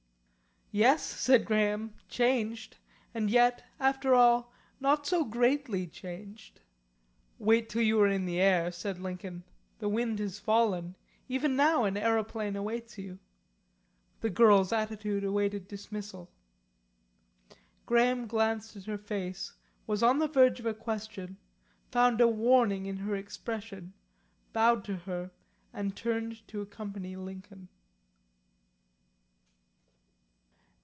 "Yes," said Graham, "changed. And yet, after all, not so greatly changed." "Wait till you are in the air," said Lincoln. "The wind has fallen; even now an aeroplane awaits you." The girl's attitude awaited dismissal. Graham glanced at her face, was on the verge of a question, found a warning in her expression, bowed to her and turned to accompany Lincoln.